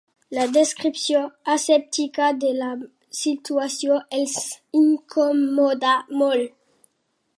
La descripció asèptica de la situació els incomoda molt.